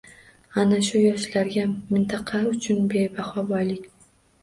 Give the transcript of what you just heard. Ana shu yoshlarga mintaqa uchun bebaho boylik